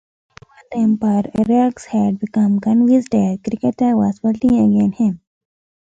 Meanwhile, the Emperor Ariakas had become convinced that Kitiara was plotting against him.